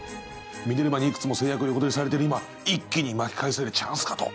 ミネルヴァにいくつも成約横取りされてる今一気に巻き返せるチャンスかと。